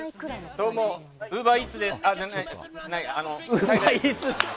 どうも、ウーバーイーツです。